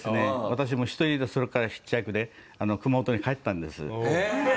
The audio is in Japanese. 私もう１人でそれからヒッチハイクで熊本に帰ったんです。